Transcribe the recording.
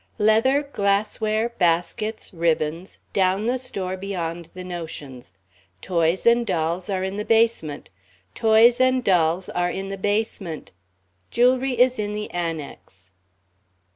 Leather, glassware, baskets, ribbons, down the store beyond the notions. Toys and dolls are in the basement toys and dolls are in the basement. Jewelry is in the Annex...."